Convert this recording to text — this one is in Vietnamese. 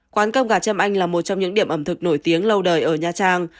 quán cơm gà châm anh là một trong những điểm ẩm thực nổi tiếng lâu đời ở nha trang